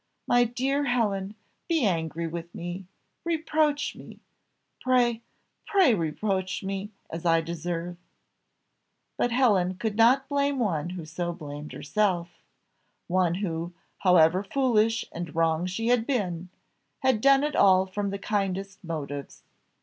My dear Helen, be angry with me reproach me: pray pray reproach me as I deserve!" But Helen could not blame one who so blamed herself one who, however foolish and wrong she had been, had done it all from the kindest motives.